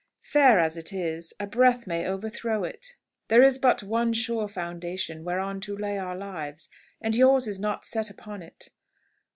Fair as it is, a breath may overthrow it. There is but one sure foundation whereon to lay our lives, and yours is not set upon it."